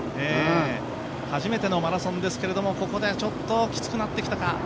初めてのマラソンですけど、ここでちょっときつくなってきたか。